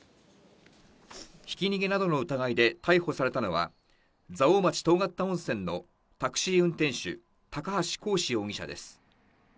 ひき逃げなどの疑いで逮捕されたのは、蔵王町遠刈田温泉のタクシー運転手・高橋巧思容疑者です。